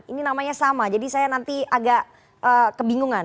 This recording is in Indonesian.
ini namanya sama jadi saya nanti agak kebingungan